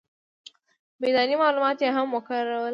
میداني معلومات یې هم وکارول.